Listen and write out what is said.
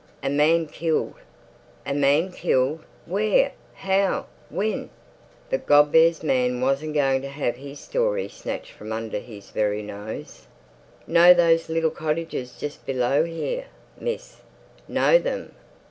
"A man killed." "A man killed! Where? How? When?" But Godber's man wasn't going to have his story snatched from under his very nose. "Know those little cottages just below here, miss?" Know them?